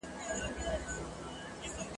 څه کم عقل ماشومان دي د ښارونو ..